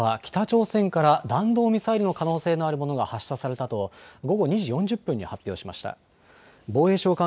お伝えしていますように防衛省は北朝鮮から弾道ミサイルの可能性のあるものが発射されたと午後２時４０分に発表しました。